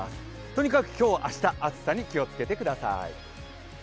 とにかく今日、明日、暑さに気をつけてください。